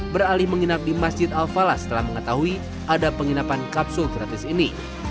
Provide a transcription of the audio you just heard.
beralih menginap di masjid al falah setelah mengetahui ada penginapan kapsul gratis ini